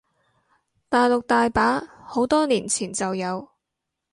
大陸大把，好多年前就有